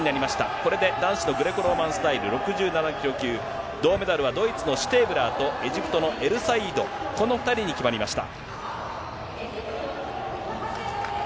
これで男子のグレコローマンスタイル６７キロ級、銅メダルはドイツのシュテーブラーと、エジプトのエルサイード、この２人に決まりました。